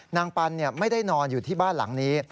ปันไม่ได้นอนอยู่ที่บ้านหลังนี้